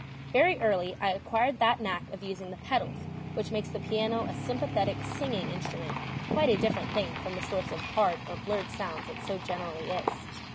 Very early I acquired that knack of using the pedals, which makes the piano a sympathetic, singing instrument, quite a different thing from the source of hard or blurred sounds it so generally is.